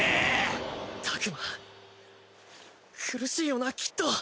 タクマ苦しいよなきっと。